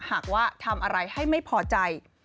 หากว่าทำอะไรให้ไม่พอใจ